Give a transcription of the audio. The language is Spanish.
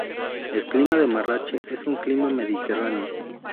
El clima de Marrachí es un clima mediterráneo.